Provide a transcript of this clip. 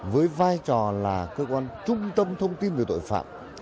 với vai trò là cơ quan trung tâm thông tin về tội phạm